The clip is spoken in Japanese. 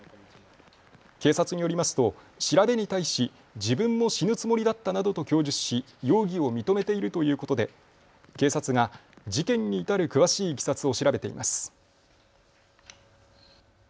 警察によりますと調べに対し自分も死ぬつもりだったなどと供述し容疑を認めているということで警察が事件に至る詳しいいきさつを調べています。